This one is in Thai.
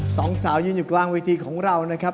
สองสาวยืนอยู่กลางเวทีของเรานะครับ